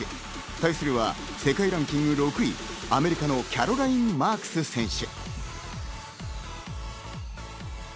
対するは世界ランキング６位、アメリカのキャロライン・マークス選手。